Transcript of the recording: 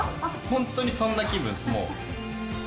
本当にそんな気分、もう。